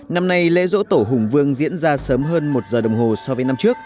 năm nay lễ dỗ tổ hùng vương diễn ra sớm hơn một giờ đồng hồ so với năm trước